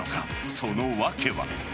その訳は。